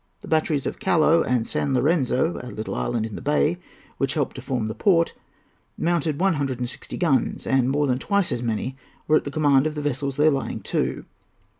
The batteries of Callao and of San Lorenzo, a little island in the bay which helped to form the port, mounted one hundred and sixty guns, and more than twice as many were at the command of vessels there lying to.